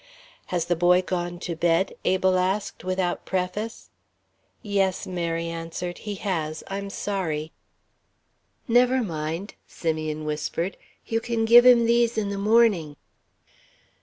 "Has the boy gone to bed?" Abel asked without preface. "Yes," Mary answered, "he has. I'm sorry." "Never mind," Simeon whispered, "you can give him these in the morning."